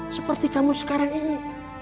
seperti kamu sekarang ini